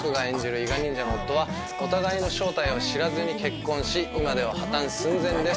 伊賀忍者の夫はお互いの正体を知らずに結婚し今では破綻寸前です。